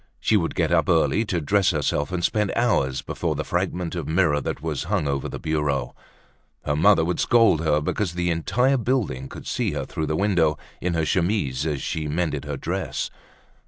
She would get up early to dress herself and spend hours before the fragment of mirror that was hung over the bureau. Her mother would scold her because the entire building could see her through the window in her chemise as she mended her dress.